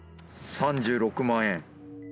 「３６万円」。